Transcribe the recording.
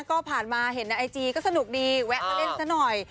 ก็ผ่านมาเห็นในไอจีก็สนุกดีแวะมาเล่นซะหน่อย